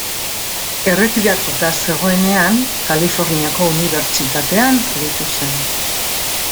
Erretiratuta zegoenean Kaliforniako Unibertsitatean aritu zen.